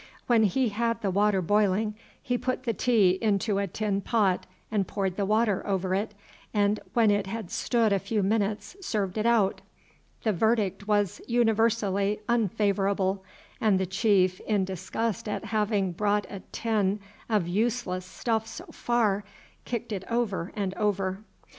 When he had the water boiling, he put the tea into a tin pot and poured the water over it, and when it had stood a few minutes served it out. The verdict was universally unfavourable, and the chief, in disgust at having brought a tin of useless stuff so far, kicked it over and over.